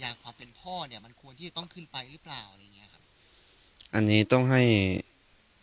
ครับตบก้นเบาน้องก็ร้องแล้วอืมปกติถ้าเกิดตีน้องเนี่ยน้องจะร้อง